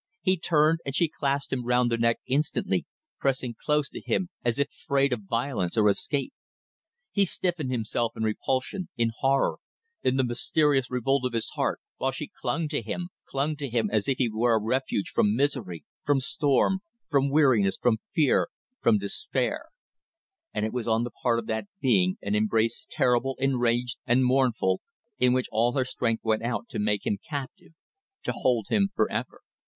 He turned, and she clasped him round the neck instantly, pressing close to him as if afraid of violence or escape. He stiffened himself in repulsion, in horror, in the mysterious revolt of his heart; while she clung to him clung to him as if he were a refuge from misery, from storm, from weariness, from fear, from despair; and it was on the part of that being an embrace terrible, enraged and mournful, in which all her strength went out to make him captive, to hold him for ever.